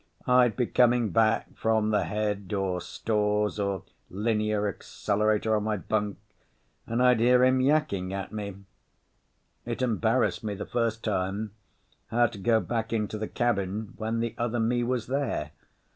I'd be coming back from the head or stores or linear accelerator or my bunk, and I'd hear him yakking at me. It embarrassed me the first time, how to go back into the cabin when the other me was there.